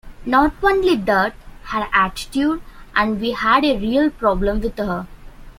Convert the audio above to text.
Not only that, her attitude, and we had a real problem with her.